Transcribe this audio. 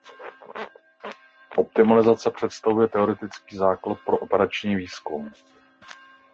Optimalizace představuje teoretický základ pro operační výzkum.